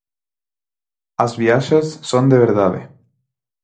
As viaxes son de verdade.